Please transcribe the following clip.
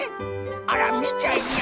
あらみちゃいや！」。